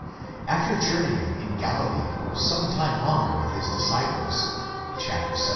After journeying in Galilee for some time longer with his disciples (xvii.